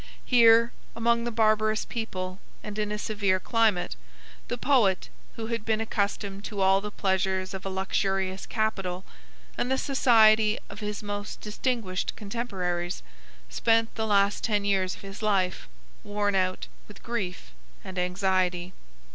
Here, among the barbarous people and in a severe climate, the poet, who had been accustomed to all the pleasures of a luxurious capital and the society of his most distinguished contemporaries, spent the last ten years of his life, worn out with grief and anxiety.